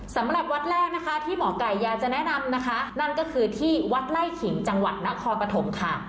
สำหรับวัดแรกนะคะที่หมอไก่อยากจะแนะนำนะคะนั่นก็คือที่วัดไล่ขิงจังหวัดนครปฐมค่ะ